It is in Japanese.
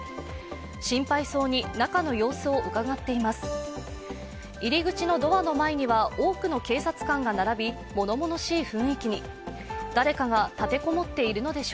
心配そうに中の様子をうかがっています。